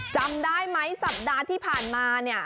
จำได้ไหมสัปดาห์ที่ผ่านมาเนี่ย